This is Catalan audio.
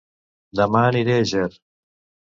Dema aniré a Ger